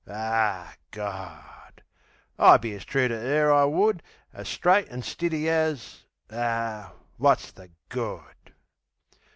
Aw, Gawd! I'd be as true to 'er, I would As straight an' stiddy as...Ar, wot's the good?